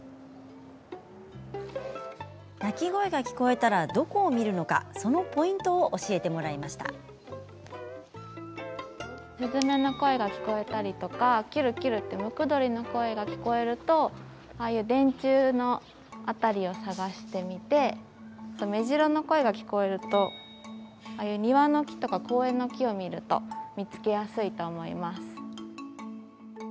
鳴き声が聞こえたらどこを見るのか、そのポイントをスズメの声が聞こえたりとかキュルキュルってムクドリの声が聞こえるとああいう電柱の辺りを探してみてメジロの声が聞こえるとああいう庭の木とか公園の木を見ると見つけやすいと思います。